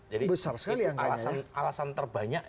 jadi alasan terbanyak